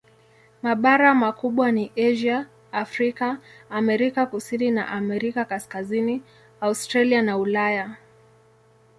Mabara makubwa ni Asia, Afrika, Amerika Kusini na Amerika Kaskazini, Australia na Ulaya.